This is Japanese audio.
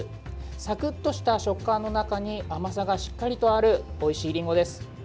サクッとした食感の中に甘さがしっかりとあるおいしいりんごです。